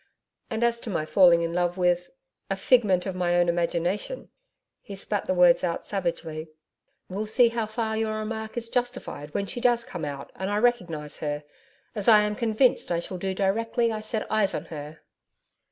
And as to my falling in love with a figment of my own imagination' he spat the words out savagely 'we'll see how far your remark is justified when She does come out and I recognise her as I am convinced I shall do directly I set eyes on Her.'